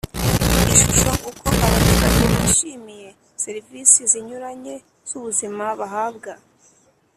Ishusho uko abaturage bishimiye serivisi zinyuranye z ubuzima bahabwa